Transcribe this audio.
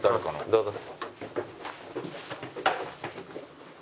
どうぞ。